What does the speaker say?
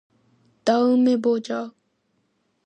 다음에 보자.